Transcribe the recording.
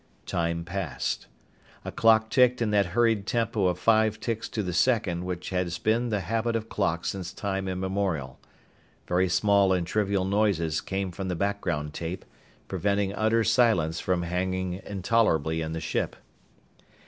Time passed. A clock ticked in that hurried tempo of five ticks to the second which has been the habit of clocks since time immemorial. Very small and trivial noises came from the background tape, preventing utter silence from hanging intolerably in the ship.